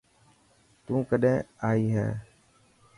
تون ڪڏهن ائي هي.